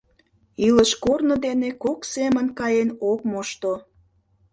Илыш-корно дене кок семын каен ок мошто.